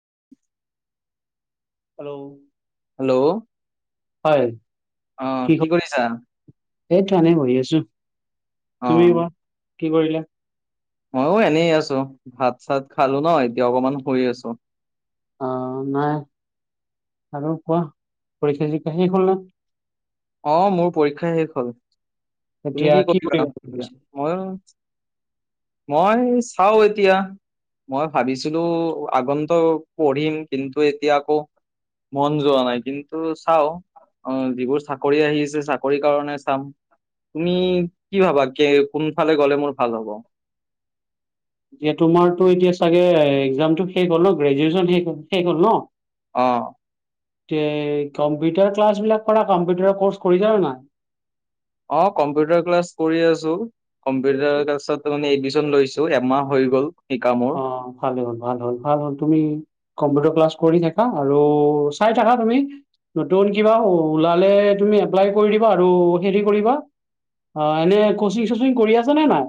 [inaudible] Hello hello হয় অ, কি কৰিছা? এনে বহি আছো, তুমি কোৱা কি কৰিলা? ময়ো এনেই আছো ভাত চাত খালো ন এতিয়া অকমান শুই আছো। অ, নাই আৰু কোৱা পৰীক্ষা চৰিক্ষা শেষ হল নে? অ', মোৰ পৰীক্ষা শেষ হ'ল। তুমি এতিয়া কি কৰিবা বুলি এতিয়া ভাবিছা? মই মই চাও এতিয়া মই ভাবিছিলো আগন্ত পঢ়িম কিন্তু এতিয়া আকৌ মন যোৱা নাই কিন্তু চাও অ যিবোৰ চাকৰি আহিছে চাকৰি কাৰণে চাম। তুমি কি ভাবা কোনফালে গ'লে মোৰ ভাল হ'ব? যিয়ে তোমাৰতো এতিয়া চাগে এক্জামটো শেষ হ'ল ন গ্ৰেজুৱেচন শেষ শেষ হ'ল ন? অঁ। এ কম্পিউটাৰ ক্লাছ বিলাক কৰা কম্পিউটাৰ কৰ্চ কৰিলা নে নাই? অঁ, কম্পিউটাৰ ক্লাছ কৰি আছো কম্পিউটাৰ ক্লাছতে এ দি লৈছো এমাহ হৈ গ'ল। শিকা মোৰ অঁ, ভাল হল ভাল হল ভাল হল তুমি কম্পিউটাৰ ক্লাছ কৰি থাকা আৰু চাই থাকা তুমি? নতুন কিবা ওলালে তুমি এপ্লাই কৰি দিবা আৰু হেৰি কৰিবা। অ এনে কচিং চচিং কৰি আছা নে নাই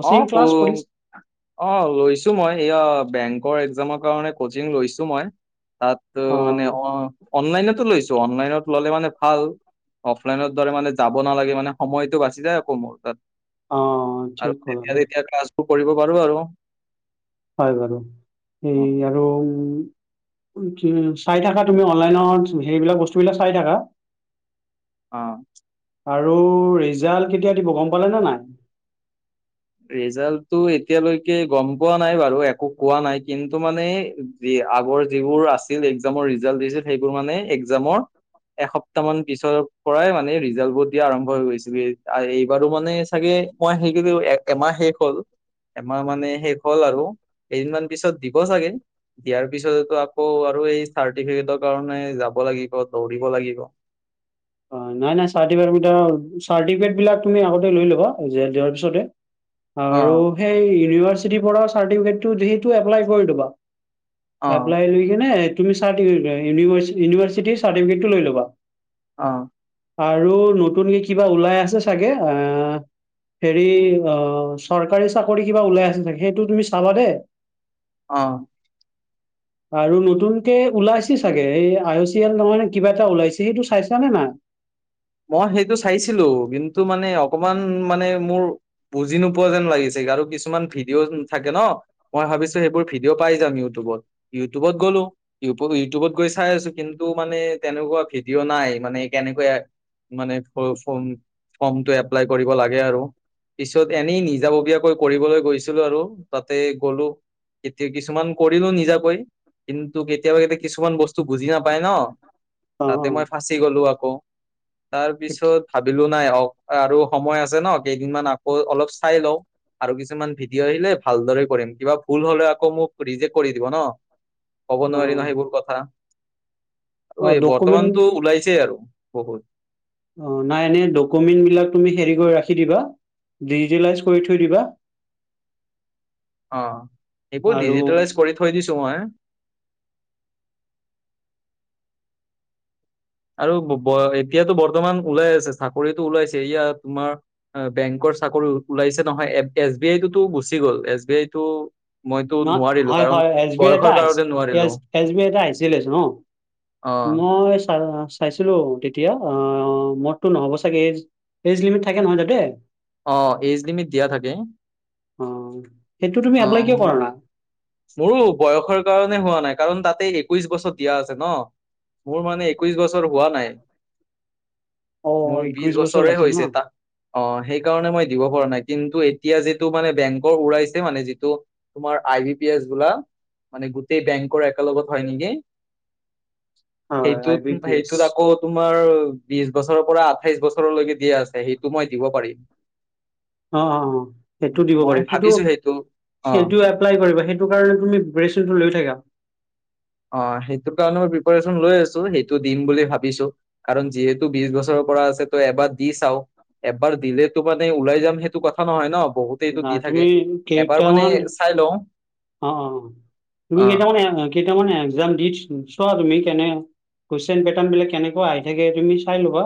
কচিং ক্লাছ কৰি অঁ, লৈছো মই এয়া বেংকৰ এক্জামৰ কাৰণে কচিং লৈছো মই। তাত মানে অ অনলাইনতো লৈছো অনলাইনত ললে মানে ভাল। অফলাইনৰ দৰে মানে যাব নালাগে মানে সময়টো বাচি যায় আকৌ মোৰ তাত। অ আৰু ঠিক। ক'লা তেতিয়া দে তেতিয়া ক্লাছবোৰ কৰিব পাৰো আৰু। হয় বাৰু! এই আৰু চাই থাকা তুমি অনলাইনত সেইবিলাক বস্তু বিলাক চাই থাকা? অঁ। আৰু ৰিজাল্ট কেতিয়া দিব গম পালা নে নাই? ৰিজাল্টটো এতিয়ালৈকে গম পোৱা নাই বাৰু একো কোৱা নাই কিন্তু মানে দি আগৰ যিবোৰ আছিল একজামৰ ৰিজাল্ট দিছিল সেইবোৰ মানে একজামৰ এসপ্তাহ মান পিছৰ পৰাই মানে ৰিজাল্ট বোৰ দিয়া আৰম্ভ হৈ গৈছিল এইবাৰো মানে চাগে মই হেইৰ কৰি এ এমাহ শেষ হ'ল এমাহ মানে শেষ হ'ল আৰু। কেইদিনমান পিছত দিব চাগে দিয়াৰ পিছতটো আকৌ আৰু এই চাৰ্টিফিকেটৰ কাৰণে যাব লাগিব দৌৰিব লাগিব। অ নাই নাই চাৰ্টিফিকেট দুটা চাৰ্টিফিকেটবিলাক তুমি আগতে লৈ ল'বা দিয়াৰ পিছতে অ আৰু সেই ইউনিভাৰ্চিটিৰ পৰা চাৰ্টিফিকেটটো যি এপ্লাই কৰি দিবা। অ এপ্লাই লৈ কিনে তুমি ইউভাৰ্চিটিৰ চাৰ্টিফিকেটটো লৈ ল'বা। অঁ আৰু নতুন কিবা ওলাই আছে চাগে আহ হেৰি অ চৰকাৰী চাকৰি কিবা ওলাই আছে সেইটো তুমি চাবা দেই। অ আৰু নতুনকে ওলাইছে চাগে এই আই চি এল নহয় নে কিবা এটা ওলাইছে সেইটো চাইছানে নাই? মই সেইটো চাইছিলো কিন্তু মানে অকমান মানে মোৰ বুজি নোপোৱা যেন লাগিছে। আৰু কিছুমান ভিডিঅ থাকে ন মই ভাবিছো সেইবোৰ ভিডিঅ' পাই যাম ইউটিউবত ইউটিউবত গ'লো ইউটিউবত গৈ চাই আছো কিন্তু মানে তেনেকুৱা ভিডিঅ' নাই মানে কেনেকৈ মানে ফ ফৰ্মটো এপ্লাই কৰিব লাগে আৰু। পিছত এনেই নিজাববীয়াকৈ কৰিবলৈ গৈছিলো আৰু তাতে গ'লো এতিয়া কিছুমান কৰিলো নিজাকৈ। কিন্তু কেতিয়াবা কেতিয়া কিছুমান বস্তু বুজি নাপায় ন অ তাতে মই ফাঁচি গলো আক। তাৰ পিছত ভাবিলো নাই অওক আৰু সময় আছে ন কেইদিনমান আকৌ অলপ চাই লওঁ। আৰু কিছুমান ভিডিঅ' আহিলে ভালদৰে কৰিম কিবা ভুল হলে আকৌ মোক ৰিজেক্ট কৰি দিব ন। ক'ব অ অ নোৱাৰি নহয় সেইবোৰ কথা। অ আৰু ডকুমেন্ট বৰ্তমানটো ওলাইছেই আৰু বহুত। অ নাই এনে ডকুমেণ্ট বিলাক তুমি হেৰি কৰি ৰাখি দিবা ডিজিটেলাইজ কৰি থৈ দিবা। অঁ এইব আৰু ডিজিটলাইজ কৰি থৈ দিছো মই। আৰু এতিয়াতো বৰ্তমান ওলাই আছে চাকৰিটো ওলাইছে এয়া তোমাৰ বেংকত। চাকৰি ওলাইছে নহয়, এছ বি আই টোতো গুচি গ'ল। এছ বি আইটো মইতো ন নোৱাৰিলো হয় কাৰণ হয়, এছ বি আইটো বয়সৰ আহ কাৰণে নোৱাৰিলো এছ বি আইটো [unintelligible] অ মই চাৰা চাইছিলো তেতিয়া অ', মদতো নহ'ব চাগে এইজ এইজ লিমিট থাকে নহয় তাতে। অ', এজ লিমিট দিয়া থাকে। অ', সেইটো তুমি এপ্লাই কিয় অ', কৰা নাই? মোৰো বয়সৰ কাৰণে হোৱা নাই কাৰণ তাতে একৈশ বছৰ দিয়া আছে ন। মোৰ মানে একৈশ বছৰ হোৱা নাই। অ মোৰ বিশ একৈশ বছৰ বছৰে লাগিছিল ন হৈছে তাক অ', সেইকাৰণে মই দিব পৰা নাই। কিন্তু এতিয়া যিটো মানে বেংকৰ উৰাইছে মানে যিটো তোমাৰ আই পি এছ বোলা মানে গোটেই বেংকৰ একে লগত হয় নেকি। হয় আই সেইটোত বি পি এছ সেইটোত আকৌ তোমাৰ বিশ বছৰ বছৰৰ পৰা আঠাইশ বছৰলৈকে দিয়া আছে সেইটো মই দিব পাৰিম। অ', - অ', - অ', সেইটো উম, দিব মই পাৰিব সেইটো- ভাবিছো অ'। সেইটো এপ্লাই কৰিব সেইটো কাৰণে তুমি [unintelligible] লৈ থাকা অ', সেইটোৰ কাৰণে মই প্ৰিপাৰচন লৈ আছো সেইটো দিম বুলি ভাবিছো কাৰণ যিহেতু বিশ বছৰ পৰা আছে ত' এবাৰ দি চাও এবাৰ দিলেতো মানে ওলাই যাম সেইটো কথা নহয় ন'। বহুতেইটো না দি তুমি থাকে এবাৰ মানে কেইটামান চাই লওঁ। অ', -অ', তুমি অ কেইটামানে- কেইটামানে এক্‌জাম দি চোৱা তুমি কেনে কুৱেইশ্বন পেটাৰ্ণ বিলাক কেনেকুৱা আহি থাকে তুমি চাই ল'বা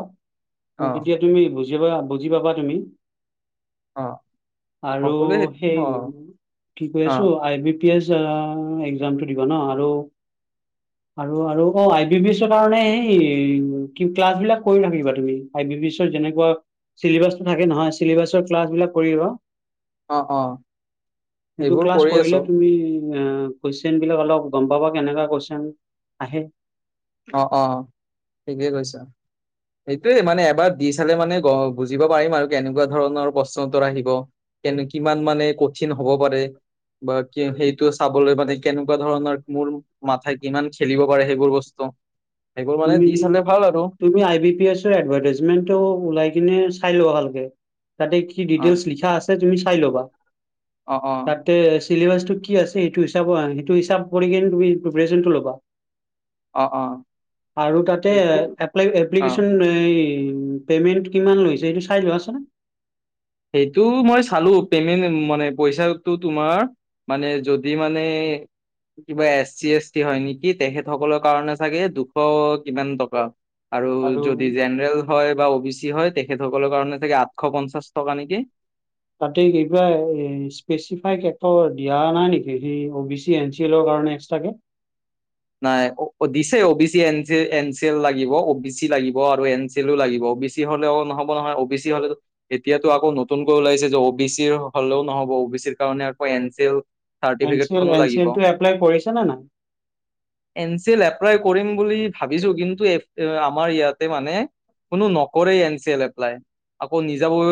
অ তেতিয়া তুমি বুজি পাবা বুজি পাবা তুমি। অ আৰু সকলোৱে সেই সেইটো অ কি কৈ অ আছো I B P S exam টো দিবা ন' আৰু আৰু অ', আই বি পি এছৰ কাৰণে এই কি ক্লাছ বিলাক কৰি থাকিবা তুমি। আই বি পি এছৰ যেনেকুৱা চিলেবাছটো থাকে নহয় চিলেবাছৰ ক্লাছ বিলাক কৰিবা। অ', -অ', সেইটো সেইবোৰ ক্লাছ কৰি কৰিলে আছো। তুমি কুৱেশ্বন বিলাক অলপ গম পাবা কেনেকা কুৱেশ্বন আহে। অ', -অ', ঠিকেই কৈছা। সেইটোৱে মানে এবাৰ দি চালে মানে গো বুজিব পাৰিম আৰু কেনেকুৱা ধৰণৰ প্ৰশ্ন উত্তৰ আহিব। কেনে কিমান মানে কঠিন হব পাৰে। বা কি সেইটো চাবলৈ মানে কেনেকুৱা ধৰণৰ মোৰ মাথাই কিমান খেলিব পাৰে সেইবোৰ বস্তু [inaudible] মানে তুমি দি চালে ভাল আৰু তুমি আই বি পি এছৰ এড্‌ভাৰটাইজমেন্টটো উলাই কিনে চাই লোৱা ভাল। তাতে কি অ ডিটেইলছ্ লিখা আছে তুমি চাই ল'বা অ অ তাতে ছিলেবাছটো কি আছে সেইটো হিচাবৰ সেইটো হিচাপ কৰি কিনে তুমি প্ৰিপেৰাছন টো‌ ল'বা। অ', অ'। আৰু তাতে সেইবোৰ এপ্লাই অ এপ্লিকেশ্যন ই পেমেন্ট কিমান লৈছে এইটো চাই লোৱাছোন? সেইটো মই চালো পেমেণ্ট মানে পইচাটো তোমাৰ মানে যদি মানে। কিবা এছ চি এছ টি হয় নেকি তেখেত সকলৰ কাৰণে চাগে দুশ কিমান টকা। আৰু যদি জেনেৰেল হয় বা অ' বি চি হয় তেখেতসকলৰ কাৰণে চাগে আঠশ পঞ্চাশ টকা নেকি। তাতে কিবা এ স্পেচিফাই একো দিয়া নাই নেকি সেই O B C N C এলৰ। এক্সট্ৰা কে। [inaudible] নাই অ' দিছে O B C N C N C N লাগিব অ বি চি লাগিব আৰু এন চি এলো লাগিব। অ বি চি হলেও নহ'ব নহয় অ বি চি হলেতো এতিয়াতো আকৌ নতুনকৈ ওলাইছে যে অ বি চি হ'লেও নহ'ব। অ বি চিৰ কাৰণে আকৌ N C L N C L চাৰ্টিফিকেটখনো এন চি লাগিব। এল টো এপ্লাই কৰিছা নে নাই? এন চি এল এপ্লাই কৰিম বুলি ভাবিছোঁ কিন্তু এ আমাৰ ইয়াতে মানে কোনো নকৰেই এন চি এল এপ্লাই আকৌ নিজাববী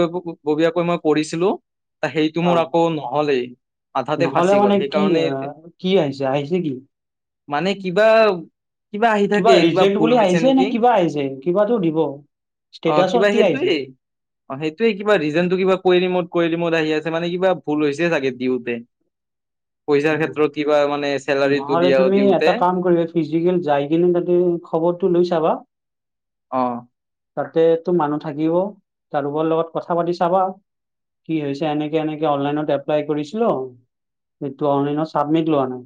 ববীয়াকৈ মই কৰিছিলো সেইটো মোৰ অ' আকৌ নহলেই। আধাতে ফাঁচি নহ'লে গ'ল মানে কি সেইকাৰণে আহ কি আহিছে আহিছে কি? মানে কিবা কিবা আহি থাকে কিবা ৰিজেক্ট ভুল বুলি হৈছে আহিছে নে নেকি। কিবা আহিছে কিবাতো দিব। অ', ষ্টেটাচত কিবা কি আহিছে? সেইটোৱেই অ', সেইটোৱেই কিবা ৰিজনতটো কিবা কোয়েৰি মত কোয়েল মত আহি আছে মানে কিবা ভুল হৈছে চাগে দিওঁতে। পইছাৰ ক্ষেত্ৰত কিবা মানে চেলাৰিত নহ'লে তুমি এটা কাম কৰিবা ফিজিকেল যাই কিনে তাতে খবৰটো লৈ চাবা। অ'। তাতে তো মানুহ থাকিব কাৰোবৰ লগত কথা পাতি চাবা। কি হৈছে এনেকে এনেকে অনলাইনত এপ্লাই কৰিছিলো এইটো অনলাইনত চাবমিট লোৱা নাই,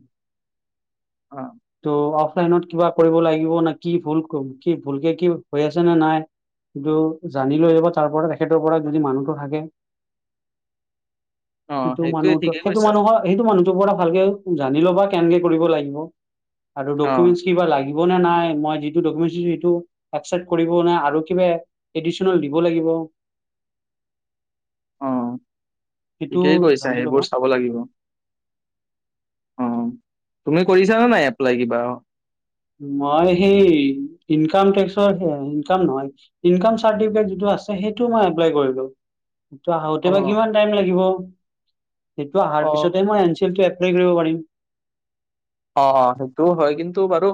অ ত' অফ লাইনত কিবা কৰিব লাগিব নে কি ভুল কি ভুলকে কি হৈ আছে নে নাই। কিন্তু জানি লৈ যাব তাৰপৰা তেখেতৰ পৰা যদি মানুহটো থাকে। [inaudible] অ সেইটো সেইটোয়ে মানুহতো ঠিকেই সেইটো কৈছা মানুহৰ সেইটো মানুহটোৰ পৰা ভালকে জানি ল'বা কেনকে কৰিব লাগিব আৰু অ ডকুমেণ্টছ কিবা লাগিব নে নাই মই যিটো ডকুমেণ্ট দিছোঁ, সেইটো একচেপট কৰিব নাই আৰু কিব এডিচনেল দিব লাগিব। টোৰ [inaudible] অ' সেইটো ঠিকেই কৈছা জানি ল'বা হেইবোৰ চাব লাগিব। অ' তুমি কৰিছানে নাই এপ্লাই কিবা? মই সেই ইনকাম টেক্সৰ হ ইনকাম নহয় ইনকাম চাৰটিফিকেট যিটো আছে সেইটো মই এপ্লাই কৰিলোঁ। টো আহোতে অ বা কিমান টাইম লাগিব। সেইটো আহাৰ পিছতে না এনচিএল টো এপ ৰেগ নিব পাৰিম। অ' অ' সেইটোও হয়। কিন্তু বাৰু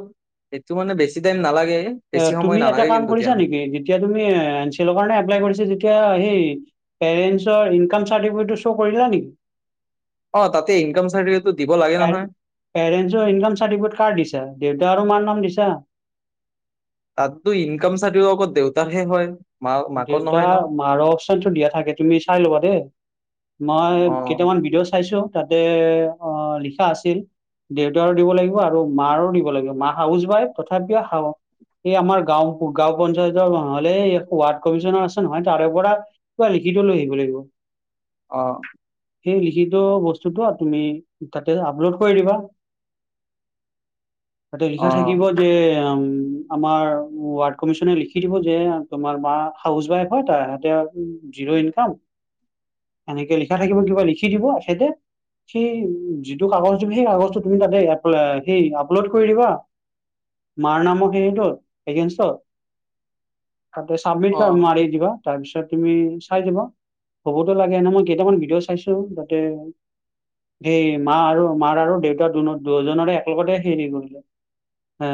এইটো মানে বেছি টাইম নালাগে। বেছি অ' সময় তুমি এটা নালাগে কাম কিন্তু দিয়া কৰিছা নেকি? যেতিয়া তুমি এন চি এলৰ কাৰণে এপ্লাই কৰিছা তেতিয়া হেই সেই পেৰেণ্টছৰ ইনকম চাৰ্তিফিকেতটো চৌৰ কৰিলা নেকি? অ' তাতে ইনকম চাৰ্টিফিকে পে পেৰেনছৰ ইনকম চাৰ্টিফিকেট কাৰ দিছা? দেউতা আৰু মাৰ নাম দিছা? তাততো ইনকাম চাৰ্টিফিকত অকল দেউতাৰহে হয়। মা মাকৰ নহয় ন দেউতা-মাৰৰ অপচনটো দিয়া থাকে, তুমি চাই ল'বা দেই। মই অ কেইটামান ভিডিঅ' চাইছো, তাতে অ' লিখা আছিল। দেউতাৰো দিব লাগিব আৰু মাৰো দিব লাগিব, মা হাউচৱাইফ, তথাপিও হা এই আমাৰ গাঁও-গাঁও পঞ্চায়তৰ নহ'লে ৱাৰ্ড কমিশনৰ আছে নহয়, তাৰে পৰা কিবা লিখিত লৈ আহিব লাগিব। অ'। সেই লিখিত বস্তুটো, তুমি তাতে আপলোড কৰি দিবা। তাতে অ লিখা থাকিব যে, উম আমাৰ ৱাৰ্ড কমিছনে লিখি দিব যে তোমাৰ মা হাউচৱাইফ হয়, তাৰ হাতে আৰু জিৰ' ইনকাম এনেকে লিখা থাকিব দিবা, লিখি দিব এখেতে। সেই যিটো কাগজ তুমি সেই কাগজটো তুমি তাতে সেই আপলোড কৰি দিবা মাৰ নামৰ হেৰিটোত, এগেইনষ্টত। তাতে চাবমিট অ কাৰ মাৰি দিবা। তাৰ পিছত তুমি চাই যাবা, হ'বতো লাগে, নহয় মই কেইটামান ভিডিঅ' চাইছো, তাতে সেই মা আৰু মাৰ আৰু দেউতা দু-দুয়োজনৰে একলগতে হেৰি কৰিলে আ,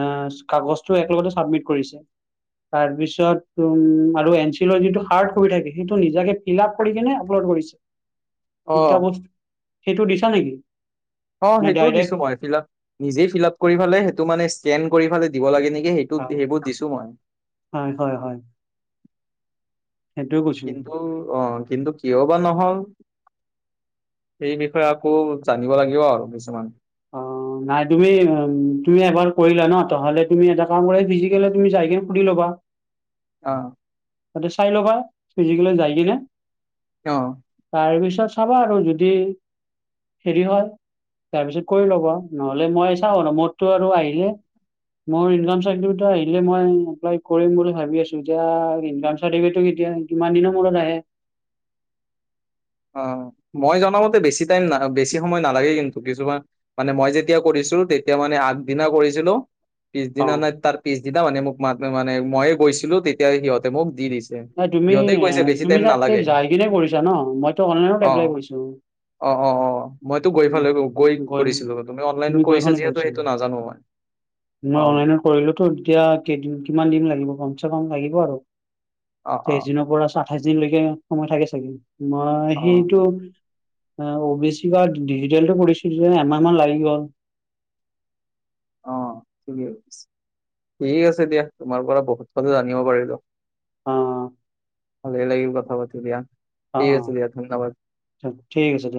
কাগজটো একেলগতে চাবমিট কৰিছে, তাৰপিছত উম আৰু এন চিলৰ যিটো হাৰ্ড কপি থাকে, সেইটো নিজাকে ফিল আপ কৰি কিনে আপলোড কৰিছে। অ তিনটা বস্, সেইটো দিছা নেকি? অ', নে সেইটোও দিছো ডাইৰেক্ট মই, ফীল আপ নিজেই ফীল আপ কৰি পেলাই সেইটো মানে স্কেন কৰি পেলাই দিব লাগে নেকি এ সেইটোত-সেইবোৰ দিছো মই। হয় হয় হয় সেইটোৱে কৈছো কিন্তু অ', কিন্তু কিয় বা নহ'ল সেই বিষয়ে আকৌ জানিব লাগিব আৰু কিছুমান। অ নাই তুমি উম, তুমি এবাৰ কৰিলা ন, তেনেহ'লে তুমি এটা কাম কৰা, ফিজিকেলি তুমি যাই কেনে সুধি ল'বা। অ'। তাতে চাই ল'বা, ফিজিকেলি যায় কিনে। অ'। তাৰ পিছত চাবা আৰু যদি হেৰি হয়, তাৰপিছত কৰি ল'বা, নহ'লে মই চাওঁ আৰু মোৰতো আৰু আহিলে মোৰ ইনকাম চাৰ্টিফিকেটটো আহিলে মই এপ্লাই কৰিম বুলি ভাবি আছো, এতিয়া ইনকাম চাৰ্টিফিকেটটো কে এতিয়া কিমান দিনৰ মূৰত আহে। [unintelligible] অ', মই জনামতে বেছি টাইম না-বেছি সময় নালাগে কিন্তু, কিছুমান মানে মই যেতিয়া কৰিছ তেতিয়া মানে আগদিনা কৰিছিলো। অ পিছদিনা নাই, তাৰ পিছদিনা মানে মোক মা-মানে মইয়ে গৈছিলো, তেতিয়া সিহঁতে মোক দি দিছিলে। অ', তুমি-তুমি তাতে যাই কিনে কৰিছা ন, মইটো অনলাইনত এপলাই অ', কৰিছো। অ' অ' অ', মইতো গৈ উম, পালেগৈ গৈ কৰিছিলো, তুমি অনলাইনত কৰিছা যিহেতু, সেইটো নাজানো মই। মই অ', অনলাইনত কৰিলোতো, এতিয়া কেইদিন-কিমান দিন লাগিব গম চে কম লাগিব আৰু, অ', তেইশ অ', দিনৰ পৰা চা-আঠাইশ দিনলৈকে সময় থাকে চাগে। মই অ', সেইটো অ', অ'বি চি বা ডিজিটেলটো কৰিছোঁ যে এমাহমান লাগি গ'ল। অ' ঠিক আছে, ঠিক আছে দিয়া, তোমাৰ পৰা বহুত কথা জানিব পাৰিলো। অ'। ভালেই লাগিল কথা পাতি দিয়া। অ ঠিক আছে দিয়া, ধন্যবাদ। অ ঠিক আছে দিয়া